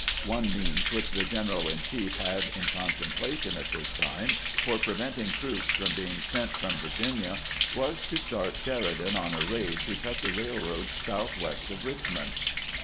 One means which the general in chief had in contemplation at this time for preventing troops from being sent from Virginia was to start Sheridan on a raid to cut the rail roads southwest of Richmond.